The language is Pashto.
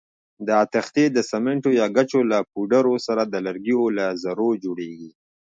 دا تختې د سمنټو یا ګچو له پوډرو سره د لرګیو له ذرو جوړېږي.